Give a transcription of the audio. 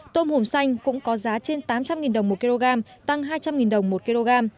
tôm hùm xanh cũng có giá trên tám trăm linh đồng một kg tăng hai trăm linh đồng một kg